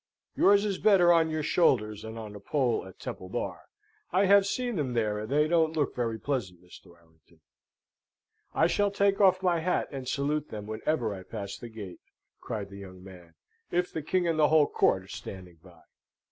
"Yours is better on your shoulders than on a pole at Temple Bar. I have seen them there, and they don't look very pleasant, Mr. Warrington." "I shall take off my hat, and salute them, whenever I pass the gate," cried the young man, "if the king and the whole court are standing by!"